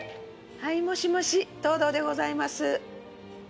はいもしもし藤堂でございます。